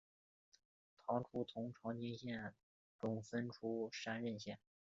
唐初从长清县中分出山荏县。